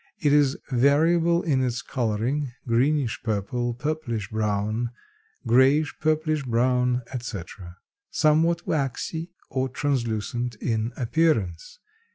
It is variable in its coloring, greenish purple, purplish brown, grayish purplish brown, etc., somewhat waxy or translucent in appearance.